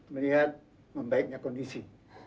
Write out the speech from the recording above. melihat membaiknya kondisi